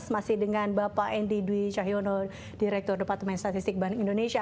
masih dengan bapak endi dwi cahyono direktur departemen statistik bank indonesia